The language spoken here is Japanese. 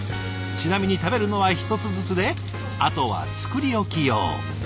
ちなみに食べるのは１つずつであとは作り置き用。